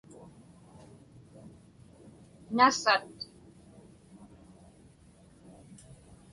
nasat